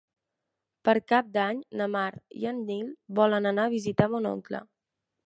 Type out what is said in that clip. Per Cap d'Any na Mar i en Nil volen anar a visitar mon oncle.